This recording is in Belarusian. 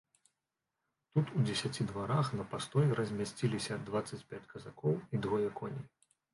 Тут у дзесяці дварах на пастой размясціліся дваццаць пяць казакоў і двое коней.